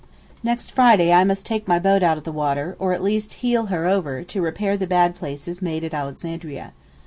Next Friday I must take my boat out of the water, or at least heel her over, to repair the bad places made at Alexandria.